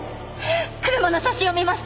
車の写真を見ました。